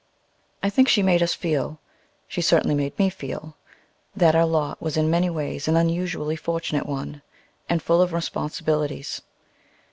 I think she made us feel she certainly made me feel that our lot was in many ways an unusually fortunate one, and full of responsibilities.